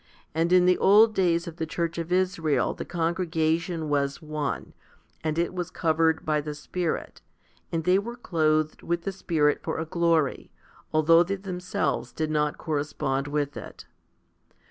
And in the old days of the church of Israel the congregation was one, and it was covered by the Spirit, and they were clothed with the Spirit for a glory, although they themselves did not correspond with it.